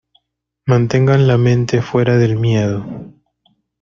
mantengan la mente fuera del miedo.